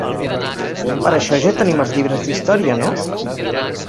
Per això ja tenim els llibres d'història, no?